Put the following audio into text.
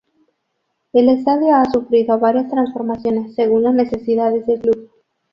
El estadio ha sufrido varias transformaciones según la necesidades del club.